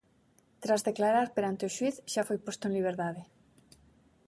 Tras declarar perante o xuíz, xa foi posto en liberdade.